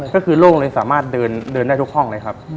ก็คือโล่งเลยสามารถเดินได้ทุกห้องเลยครับ